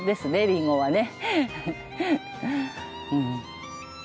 リンゴはね。